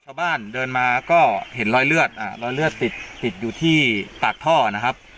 ชาวบ้านเดินมาก็เห็นรอยเลือดอ่ารอยเลือดติดติดอยู่ที่ปากท่อนะครับ